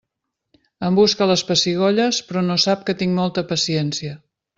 Em busca les pessigolles, però no sap que tinc molta paciència.